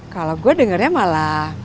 kalo gue dengernya malah